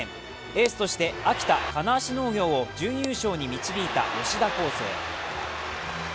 エースとして秋田・金足農業を準優勝に導いた吉田輝星。